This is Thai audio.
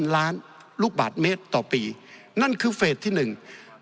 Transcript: ล้านลูกบาทเมตรต่อปีนั่นคือเฟสที่หนึ่ง